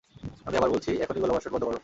আমি আবার বলছি, এখনই গোলাবর্ষণ বন্ধ করো।